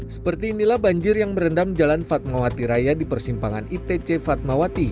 seperti inilah banjir yang merendam jalan fatmawati raya di persimpangan itc fatmawati